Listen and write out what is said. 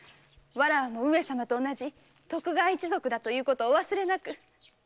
わらわも上様と同じ徳川一族ということお忘れなく。